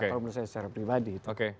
kalau menurut saya secara pribadi